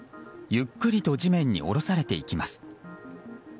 ゆっくりと地面に下ろされていきます。